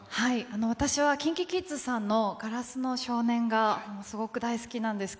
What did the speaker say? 私はＫｉｎＫｉＫｉｄｓさんの「硝子の少年」が大好きなんです。